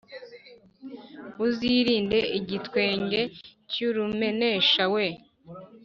Uzirinde igitwenge cy’urumenesha we